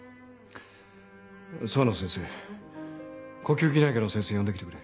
諏訪野先生呼吸器内科の先生呼んで来てくれ。